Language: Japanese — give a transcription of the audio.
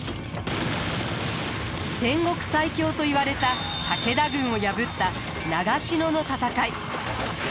戦国最強といわれた武田軍を破った長篠の戦い。